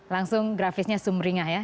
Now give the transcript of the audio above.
langsung grafisnya sumringah ya